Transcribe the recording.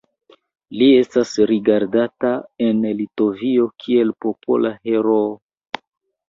Li estas rigardata en Litovio kiel Popola Heroo.